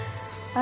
あ。